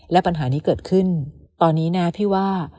และปัญหานี้เกิดขึ้นตอนนี้นะพี่ว่า